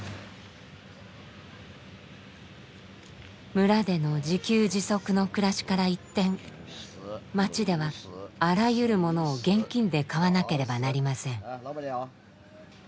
村での自給自足の暮らしから一転町ではあらゆるものを現金で買わなければなりません。